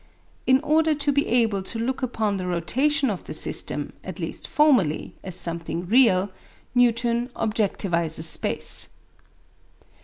In order to be able to look upon the rotation of the system, at least formally, as something real, Newton objectivises space.